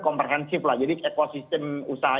komprehensif lah jadi ekosistem usaha